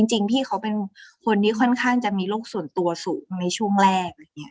จริงพี่เขาเป็นคนที่ค่อนข้างจะมีโรคส่วนตัวสูงในช่วงแรกอะไรอย่างนี้